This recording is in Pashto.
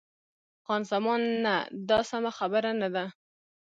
خان زمان: نه، دا سمه خبره نه ده.